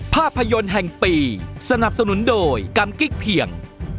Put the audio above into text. ภาพยนตร์แห่งปีสนับสนุนโดยกำกิ๊กเพียง